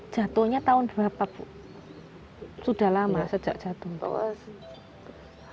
jatuhnya tahun berapa bu sudah lama sejak jatuh